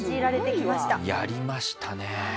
やりましたねえ。